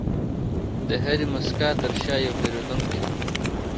د هرې موسکا تر شا یو پیرودونکی دی.